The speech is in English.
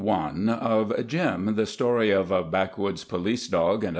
CONTENTS PAGE Jim, the Story of a Backwoods Police Dog 7 I.